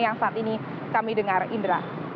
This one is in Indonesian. yang saat ini kami dengar indra